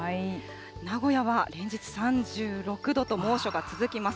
名古屋は連日３６度と猛暑が続きます。